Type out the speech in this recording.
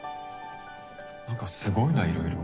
何かすごいないろいろ。